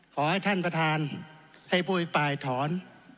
ขอให้ท่านประธานให้ปุ่มที่ป่ายถอน